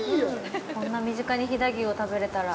こんな身近に飛騨牛を食べれたら。